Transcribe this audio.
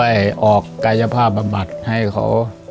ก็ช่วยออกกายภาพบำบัดให้เขา